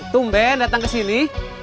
tumben datang ke sini